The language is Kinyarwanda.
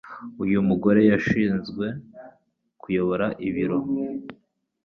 Uyu mugore yashinzwe kuyobora ibiro